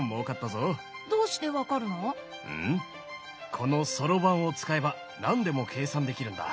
このソロバンを使えば何でも計算できるんだ。